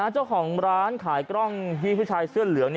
เจ้าของร้านขายกล้องที่ผู้ชายเสื้อเหลือง